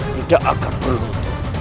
tidak akan berhutu